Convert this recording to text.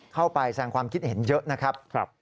เข้าไปแสงความคิดเห็นเยอะนะครับ